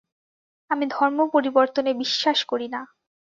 আমি ধর্ম পরিবর্তনে বিশ্বাস করি না।